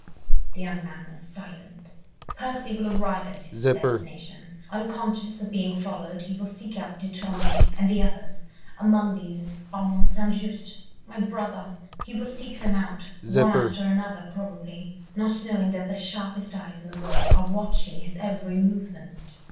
The young man was silent. "Percy will arrive at his destination: unconscious of being followed he will seek out de Tournay and the others—among these is Armand St. Just, my brother—he will seek them out, one after another, probably, not knowing that the sharpest eyes in the world are watching his every movement.